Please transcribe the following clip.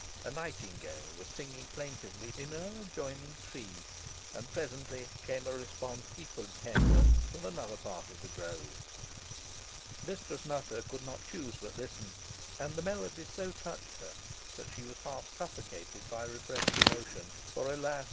A nightingale was singing plaintively in an adjoining tree, and presently came a response equally tender from another part of the grove. Mistress Nutter could not choose but listen, and the melody so touched her that she was half suffocated by repressed emotion, for, alas!